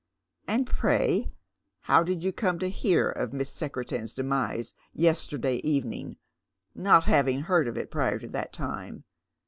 " And pray how did you come to hear of Miss Secretan's demise yesterday evening, not having heard of it prior to that time